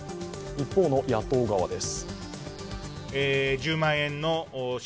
一方の野党側です。